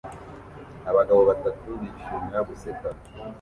Abagabo batatu bishimira guseka